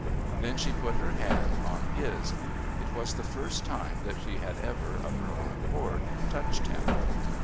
Then she put her hand on his. It was the first time that she had ever, of her own accord, touched him.